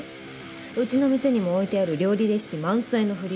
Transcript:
うちの店にも置いてある料理レシピ満載のフリーペーパー。